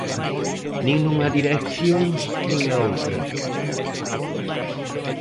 Nin nunha dirección nin na noutra.